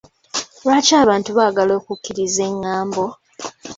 Lwaki abantu baagala okukkiriza engambo?